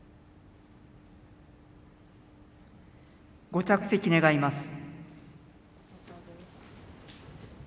ご着席願います。